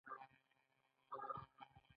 په پایله کې د غلامي نظام کمزوری شو.